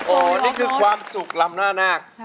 โอ้นี่คือความสุขรำน่าหนัก